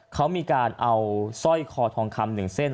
เขามีการเอาสร้อยคอทองคำ๑เส้น